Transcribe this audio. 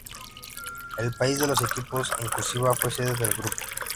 El país de los equipos en "cursiva" fue sede del grupo.